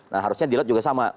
nah harusnya di laut juga sama